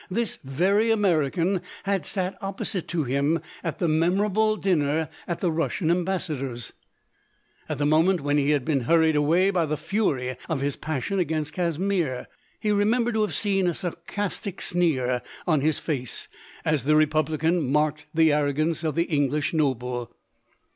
This very American had sat opposite to him at the memorable din ner at the Russian Ambassador's. At the mo ment when he had been hurried away by the fury of his passion against Casimir, he re membered to have seen a sarcastic sneer on his face, as the republican marked the arro gance of the English noble.